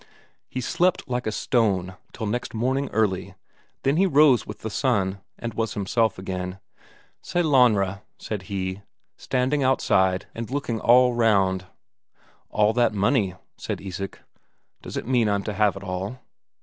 He slept like a stone till next morning early, then he rose with the sun, and was himself again. "Sellanraa," said he, standing outside and looking all round. "All that money," said Isak; "does it mean I'm to have it all?"